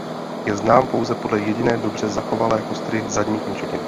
Je znám pouze podle jediné dobře zachovalé kostry zadní končetiny.